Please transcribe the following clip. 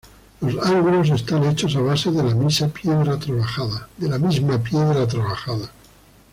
Los ángulos están hechos a base de la misa piedra trabajada.